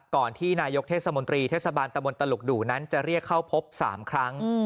ก่อนที่นายกเทศมนตรีเทศบาลตะบนตลุกดูนั้นจะเรียกเข้าพบ๓ครั้ง